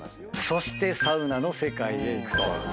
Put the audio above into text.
そしてサウナの世界へ行くと。